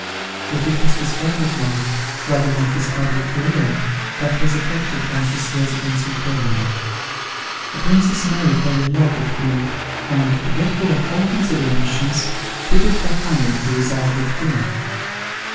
But it was his private life, rather than his public career, that was affected by his residence in Poland. The Princess Mary fell in love with him, and, forgetful of all considerations, quitted her family to reside with him.